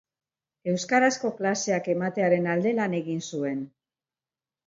Euskarazko klaseak ematearen alde lan egin zuen.